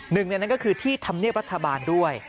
หนึ่งในนั้นก็คือที่ธรรมเนียบรัฐบาลด้วย